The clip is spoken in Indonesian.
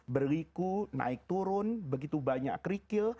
berliku naik turun begitu banyak kerikil